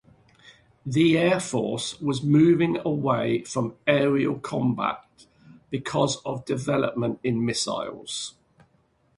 The Air Force was moving away from aerial combat because of development in missiles.